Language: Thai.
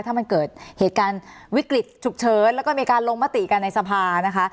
ถ้ามันเกิดเหตุการณ์วิกฤตฉุกเฉินแล้วก็มีการลงมติกันในสภานะคะ